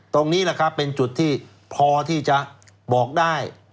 ตรงนี้แหละครับเป็นจุดที่พอที่จะบอกได้